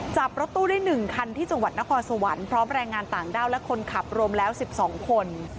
จับรถตู้ได้๑คันที่จังหวัดนครสวรรค์พร้อมแรงงานต่างด้าวและคนขับรวมแล้ว๑๒คน